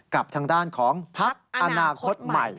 กับทางด้านของพักอนาคตใหม่